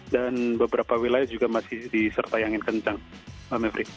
dan beberapa wilayah juga masih disertai angin kencang mbak mepri